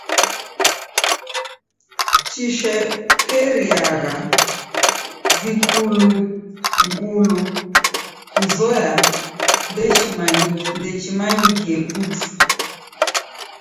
Chishekeriagha vikulughulu kuzoya ndechimanyikie putu.